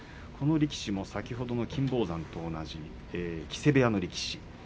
この力士も先ほどの金峰山と同じ木瀬部屋の力士です。